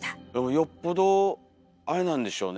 よっぽどあれなんでしょうね